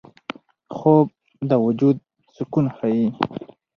خوب د وجود سکون ښيي